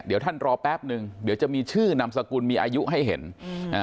เดี๋ยวท่านรอแป๊บนึงเดี๋ยวจะมีชื่อนามสกุลมีอายุให้เห็นอืมอ่า